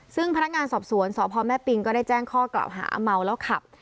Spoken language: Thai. ซึ่งพนักงานสอบสวนสพแม่ปิงก็ได้แจ้งข้อกล่าวหาเมาแล้วขับ